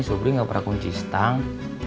sobri gak pernah kunci stang